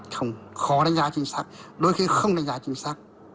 không khó đánh giá chính sách đôi khi không đánh giá chính xác